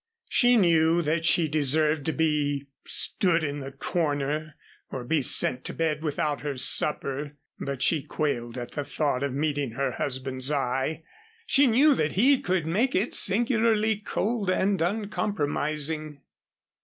She knew that she deserved to be stood in the corner or be sent to bed without her supper, but she quailed at the thought of meeting her husband's eye. She knew that he could make it singularly cold and uncompromising.